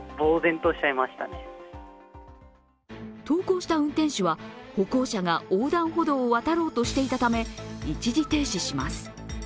投稿した運転手は歩行者が横断歩道を渡ろうとしていたため一時停車します。